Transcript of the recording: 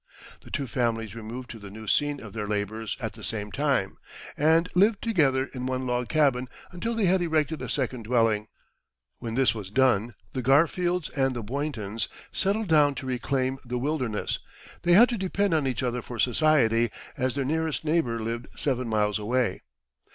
The two families removed to the new scene of their labours at the same time, and lived together in one log cabin, until they had erected a second dwelling. When this was done, the Garfields and the Boyntons settled down to reclaim the wilderness. They had to depend on each other for society, as their nearest neighbour lived seven miles away.